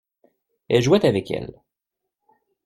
Elle jouait avec elle.